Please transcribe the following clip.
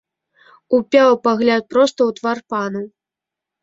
Упяў пагляд проста ў твар пану.